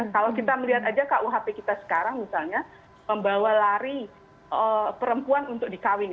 kalau kita melihat aja kuhp kita sekarang misalnya membawa lari perempuan untuk dikawin